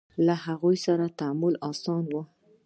له هغوی سره تعامل اسانه و.